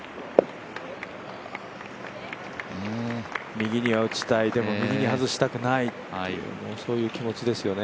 右に落ちたい、でも、右に外したくないそういう気持ちですよね